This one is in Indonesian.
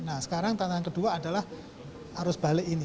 nah sekarang tantangan kedua adalah arus balik ini